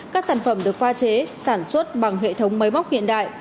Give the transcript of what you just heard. các sản phẩm được pha chế sản xuất bằng hệ thống máy móc hiện đại